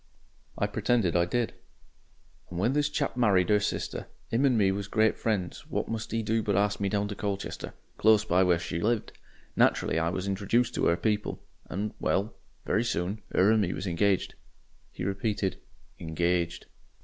I pretended I did. "And when this chap married 'er sister 'im and me was great friends what must 'e do but arst me down to Colchester, close by where She lived. Naturally I was introjuced to 'er people, and well, very soon, her and me was engaged." He repeated "engaged."